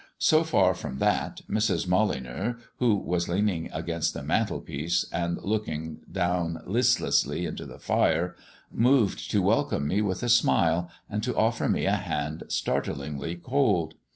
So far from that, Mrs. Molyneux, who was leaning against the mantelpiece and looking down listlessly into the fire, moved to welcome me with a smile and to offer me a hand startlingly cold.